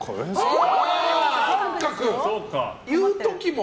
言う時も。